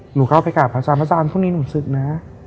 หนูเข้าไปกราบพระอาจารย์พระอาจารย์พรุ่งนี้หนูศึกนะ